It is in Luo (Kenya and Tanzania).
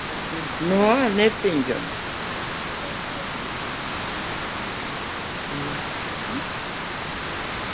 Nuo ane penjo no?